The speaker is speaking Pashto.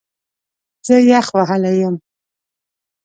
زه یخ وهلی یم